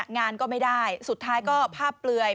งานก็ไม่ได้สุดท้ายก็ภาพเปลือย